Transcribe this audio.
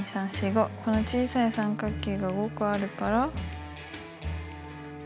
この小さい三角形が５個あるから。